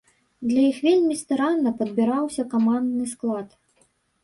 Для іх вельмі старанна падбіраўся камандны склад.